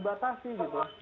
bukan malah dibatasi gitu